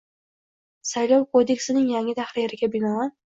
Saylov kodeksining yangi tahririga binoan